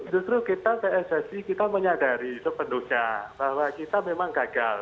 justru kita pssi kita menyadari sepenuhnya bahwa kita memang gagal